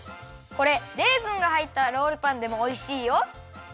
これレーズンがはいったロールパンでもおいしいよ！